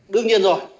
đương nhiên rồi